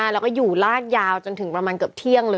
แล้วก็อยู่ลาดยาวจนถึงประมาณเกือบเที่ยงเลย